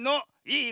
いい？